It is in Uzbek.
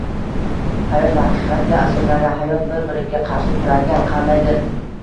hayot” va “haqiqatga asoslangan hayot” bir biriga qarshi turadigan qandaydir